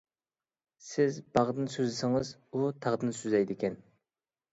سىز باغدىن سۆزلىسىڭىز ئۇ تاغدىن سۆزلەيدىكەن.